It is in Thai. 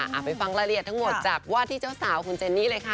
ไปฟังรายละเอียดทั้งหมดจากว่าที่เจ้าสาวคุณเจนนี่เลยค่ะ